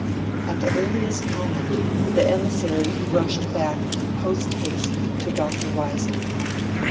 At the earliest moment, the emissary rushed back post haste to Dr. Wiseman.